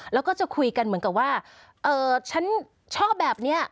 แล้วก็จะคุยกันเหมือนกับว่าฉันชอบแบบนี้